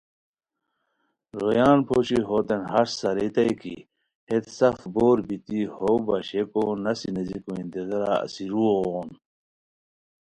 رویان پوشی ہوتین ہݰ سارئیتائے کی ہیت سف بور بیتی ہو باشئیکو نسی نیزیکو انتظارا اسیرؤ غون